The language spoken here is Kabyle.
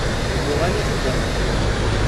Yuɣal-it-id rruḥ.